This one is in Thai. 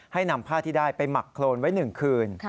ให้นำผ้าที่ได้ไปหมักโครนไว้๑คืน